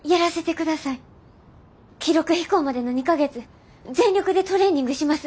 記録飛行までの２か月全力でトレーニングします。